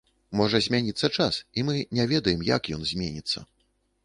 Можа змяніцца час, і мы не ведаем, як ён зменіцца.